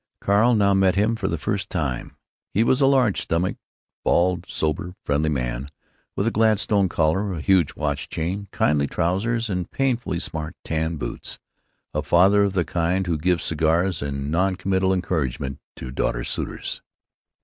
Carl now met him for the first time. He was a large stomached, bald, sober, friendly man, with a Gladstone collar, a huge watch chain, kindly trousers and painfully smart tan boots, a father of the kind who gives cigars and non committal encouragement to daughter's suitors.